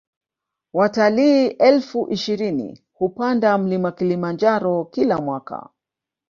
watalii elfu ishirini hupanda mlima Kilimanjaro Kila mwaka